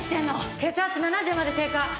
血圧７０まで低下！